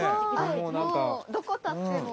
もうどこ立っても。